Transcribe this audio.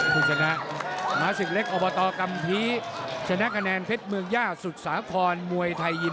คุณชนะม้าสึกเล็กอบตกำพีชนะกะแนนเพชรเมืองย่าสุดสาขอนมวยไทยยิน